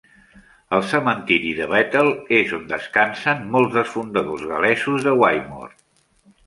El cementiri de Bethel és on descansen molts dels fundadors gal·lesos de Wymore.